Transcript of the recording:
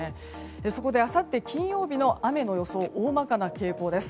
そこで、あさって金曜日の雨の予想、大まかな傾向です。